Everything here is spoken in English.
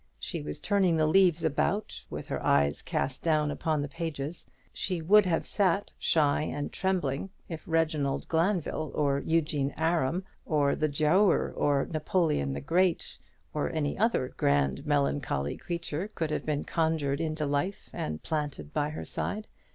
She was turning the leaves about, with her eyes cast down upon the pages. So would she have sat, shy and trembling, if Sir Reginald Glanville, or Eugene Aram, or the Giaour, or Napoleon the Great, or any other grand melancholy creature, could have been conjured into life and planted by her side.